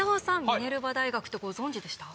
ミネルバ大学ってご存じでした？